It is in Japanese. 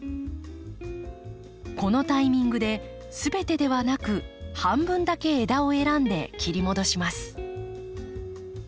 このタイミングですべてではなく半分だけ枝を選んで切り戻します。